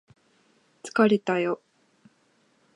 疲れたよ